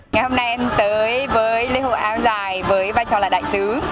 ngày hôm nay em tới với lễ hội áo dài với vai trò là đại sứ